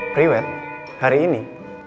priwet hari ini